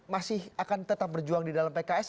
masih akan tetap berjuang di dalam pks